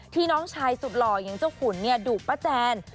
ที่น้องชายสุดหล่อยอย่างเจ้าขุนเนี่ยดุประแจน